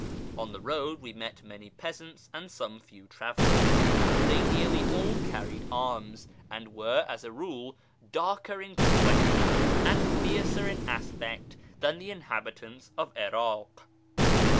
On the road we met many peasants and some few travellers ; they nearly all carried arms, and were as a rule darker in complexion and fiercer in aspect than the inhabitants of 'Ir.ik.